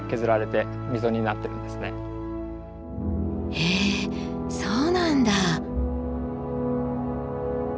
へえそうなんだ。